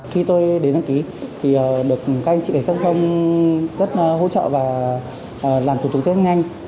khi tôi đến đăng ký thì được các anh chị đại sát không rất hỗ trợ và làm thủ tục rất nhanh